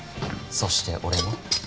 そして俺も。